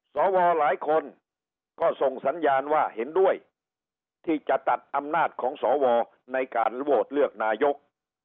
สวหลายคนก็ส่งสัญญาณว่าเห็นด้วยที่จะตัดอำนาจของสวในการโหวตเลือกนายก